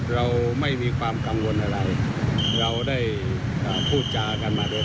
ให้ความรับผลหมาย